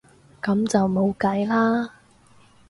噉就冇計啦